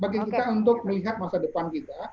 bagi kita untuk melihat masa depan kita